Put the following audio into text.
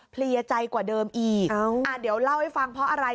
เพลียใจกว่าเดิมอีกเดี๋ยวเล่าให้ฟังเพราะอะไร